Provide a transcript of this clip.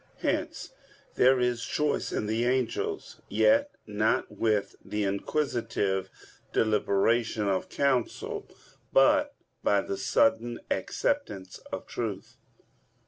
Hence there is choice in the angels, yet not with the inquisitive deliberation of counsel, but by the sudden acceptance of truth.